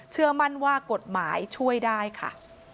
เชื่อมั่นว่ากฎหมายช่วยได้ค่ะ